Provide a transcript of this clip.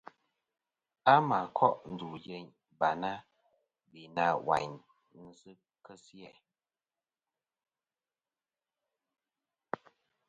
A mà koʼ ndù yeyn Barna, be na wayn nɨn kesi a.